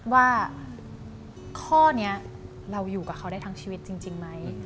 ว่าข้อนี้เราอยู่กับเขาได้ทั้งชีวิตจริงไหม